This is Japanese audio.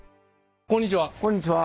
こんにちは！